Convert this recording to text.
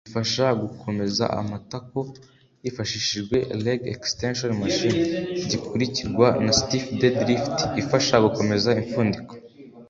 ifasha gukomeza amatako hifashishijwe ‘Leg Extension Machine’; gikurikirwa na Stiff dead lift ifasha gukomeza impfundiko